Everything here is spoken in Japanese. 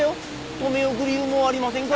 留め置く理由もありませんから。